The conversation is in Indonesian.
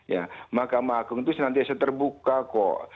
ya mahkamah agung itu nanti seterbuka kok